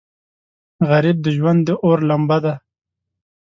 غریب د ژوند د اور لمبه ده